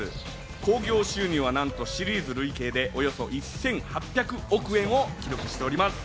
興行収入はなんとシリーズ累計でおよそ１８００億円を記録しております。